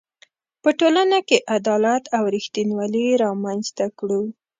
په ټولنه کې عدالت او ریښتینولي رامنځ ته کړو.